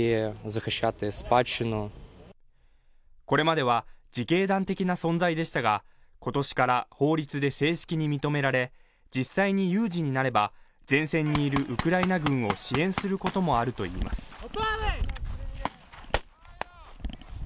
これまでは自警団的な存在でしたが今年から法律で正式に認められ実際に有事になれば前線にいるウクライナ軍を支援することもあるといいます